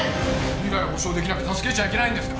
未来が保証できなきゃ助けちゃいけないんですか？